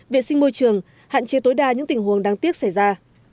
vệ sinh môi trường hạn chế tối đa những tình huống đáng tiếc xảy ra